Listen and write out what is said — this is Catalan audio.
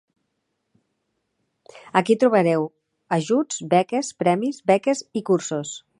Aquí trobareu ajuts, beques, premis, beques i cursos.